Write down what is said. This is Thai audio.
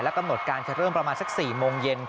กำหนดการจะเริ่มประมาณสัก๔โมงเย็น